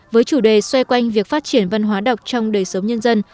với chủ đề xoay quanh việc phát triển văn hóa đọc trong đời sống nhân dân